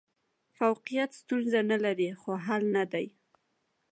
فوقیت ستونزه نه لري، خو حل نه دی.